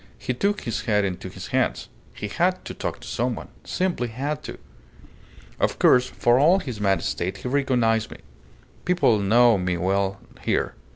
He took his head into his hands. He had to talk to someone simply had to. Of course for all his mad state he recognized me. People know me well here.